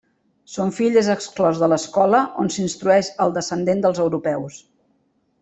Son fill és exclòs de l'escola on s'instrueix el descendent dels europeus.